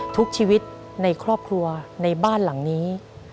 ทุกชีวิตในครอบครัวในบ้านหลังนี้